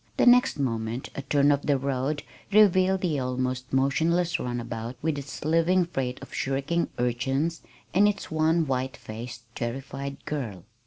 The next moment a turn of the road revealed the almost motionless runabout with its living freight of shrieking urchins, and its one white faced, terrified girl.